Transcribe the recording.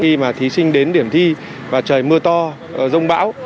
khi mà thí sinh đến điểm thi và trời mưa to rông bão